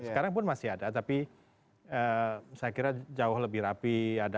sekarang pun masih ada tapi saya kira jauh lebih rapi